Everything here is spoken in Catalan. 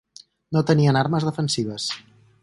No tenien armes defensives.